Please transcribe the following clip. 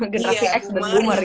generasi x dan boomer gitu